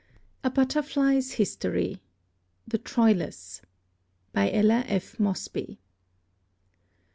A BUTTERFLY'S HISTORY. (The Troilus.) ELLA F. MOSBY.